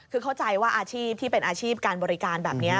คือเข้าใจว่าอาชีพที่เป็นอาชีพการบริการแบบนี้